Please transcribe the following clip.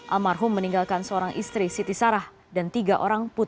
almarhum meninggalkan seorang istri siti sarah dan tiga orang putra